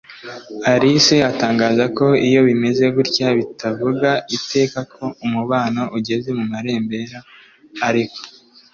alice atangaza ko iyo bimeze gutya bitavuga iteka ko umubano ugeze mu marembera ariko ,